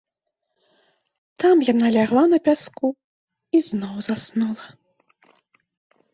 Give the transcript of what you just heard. Там яна лягла на пяску і зноў заснула.